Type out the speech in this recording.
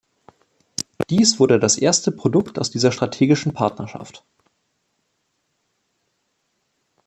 Dies wurde das erste Produkt aus dieser strategischen Partnerschaft.